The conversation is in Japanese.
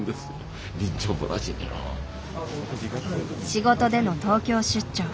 仕事での東京出張。